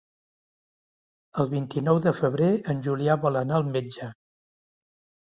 El vint-i-nou de febrer en Julià vol anar al metge.